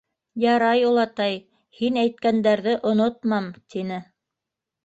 — Ярар, олатай, һин әйткәндәрҙе онотмам, — тине.